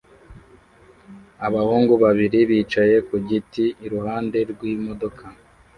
Abahungu babiri bicaye ku giti iruhande rw'imodoka